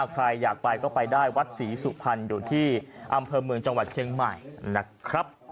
ใครอยากไปก็ไปได้วัดศรีสุพรรณอยู่ที่อำเภอเมืองจังหวัดเชียงใหม่นะครับ